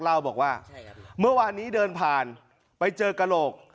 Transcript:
เล่าบอกว่าเมื่อวานนี้เดินผ่านไปเจอกระโหลก